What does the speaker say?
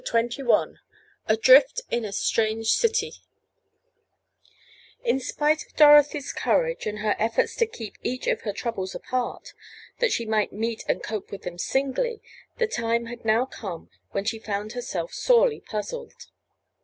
CHAPTER XXI ADRIFT IN A STRANGE CITY In spite of Dorothy's courage, and her efforts to keep each of her troubles apart, that she might meet and cope with them singly, the time had now come when she found herself sorely puzzled.